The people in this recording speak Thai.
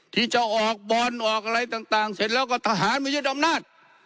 ที่จะออกบอลออกอะไรต่างเสร็จแล้วก็ทหารมายึดอำนาจ